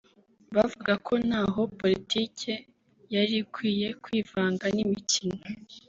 bavugaga ko ntaho politike yari ikwiye kwivanga n’imikino